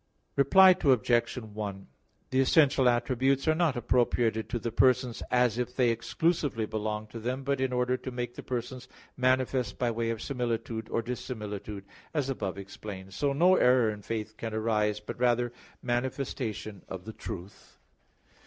Reply Obj. 1: The essential attributes are not appropriated to the persons as if they exclusively belonged to them; but in order to make the persons manifest by way of similitude, or dissimilitude, as above explained. So, no error in faith can arise, but rather manifestation of the truth.